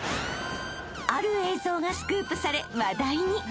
［ある映像がスクープされ話題に］